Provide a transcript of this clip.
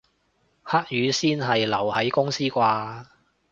黑雨先係留喺公司啩